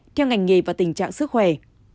theo ngành nghề và tình trạng sức khỏe